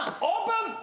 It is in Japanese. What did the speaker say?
オープン